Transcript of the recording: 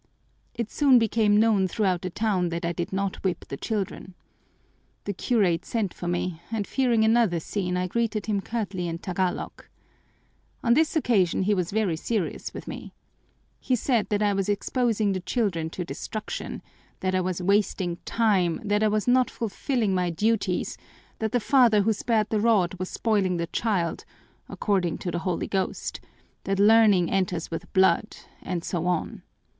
"It soon became known throughout the town that I did not whip the children. The curate sent for me, and fearing another scene I greeted him curtly in Tagalog. On this occasion he was very serious with me. He said that I was exposing the children to destruction, that I was wasting time, that I was not fulfilling my duties, that the father who spared the rod was spoiling the child according to the Holy Ghost that learning enters with blood, and so on.